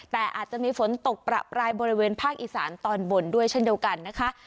แต่อาจจะมีฝนตกประปรายบริเวณภาคอีสานตอนบนด้วยเช่นเดียวกันนะคะ